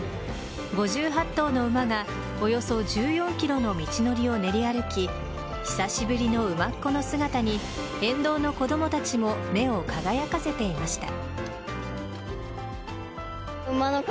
５８頭の馬がおよそ１４ｋｍの道のりを練り歩き久しぶりの馬コの姿に沿道の子供たちも目を輝かせていました。